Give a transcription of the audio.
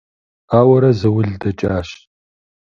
Ауэрэ заул дэкӀащ.